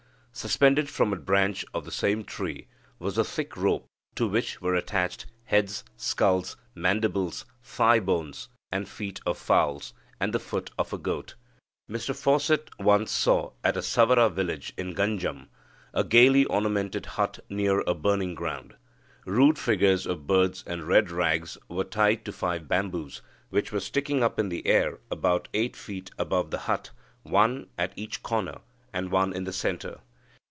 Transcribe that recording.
Suspended from a branch of the same tree was a thick rope, to which were attached heads, skulls, mandibles, thigh bones, and feet of fowls, and the foot of a goat. Mr Fawcett once saw, at a Savara village in Ganjam, a gaily ornamented hut near a burning ground. Rude figures of birds and red rags were tied to five bamboos, which were sticking up in the air about eight feet above the hut, one at each corner, and one in the centre.